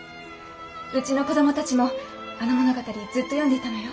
うちの子どもたちもあの物語ずっと読んでいたのよ。